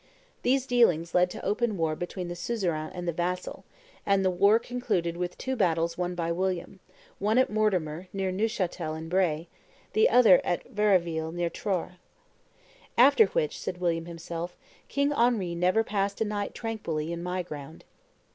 These dealings led to open war between the suzerain and the vassal, and the war concluded with two battles won by William, one at Mortemer near Neuchatel in Bray, the other at Varaville near Troarrh "After which," said William himself, "King Henry never passed a night tranquilly on my ground."